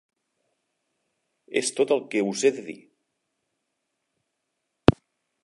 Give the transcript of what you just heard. És tot el que us he de dir!